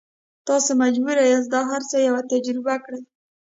تاسو مجبور یاست دا هر یو تجربه کړئ.